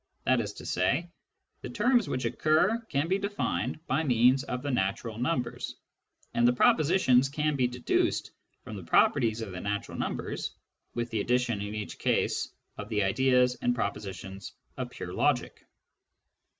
That is to say, the terms which occur can be defined by means of the natural numbers, and the propositions can be deduced from the properties of the natural numbers — with the addition, in each case, of the ideas and propositions of pure logic.